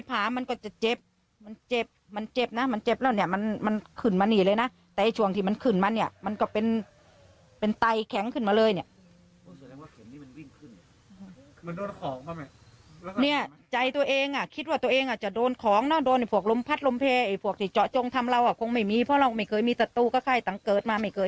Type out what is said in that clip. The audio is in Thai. ทุกวันนี้พอเอาออกมาก็ยังปวดนะขอโทษนะเนี่ย